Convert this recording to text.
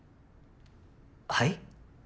はい？